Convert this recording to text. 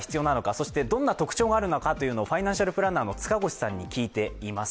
そしてどんな特徴があるのかというのをファイナンシャルプランナーの方にお聞きしています。